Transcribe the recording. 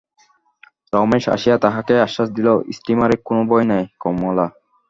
রমেশ আসিয়া তাহাকে আশ্বাস দিল, স্টীমারে কোনো ভয় নাই কমলা।